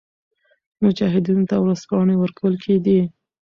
مجاهدینو ته ورځپاڼې ورکول کېدې.